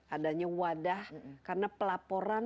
adanya wadah karena pelaporan